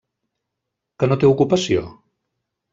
Que no té ocupació?